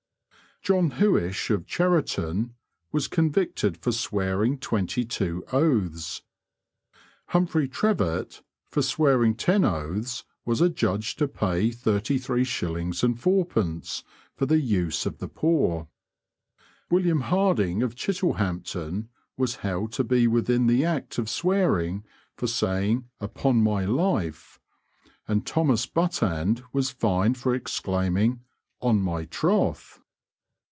John Huishe, of Cheriton, was convicted for swearing twenty two oaths. Humfrey Trevitt, for swearing ten oaths, was adjudged to pay 33_s._ 4_d._ for the use of the poor. William Harding, of Chittlehampton, was held to be within the act of swearing for saying "Upon my life," and Thomas Buttand was fined for exclaiming "On my troth!"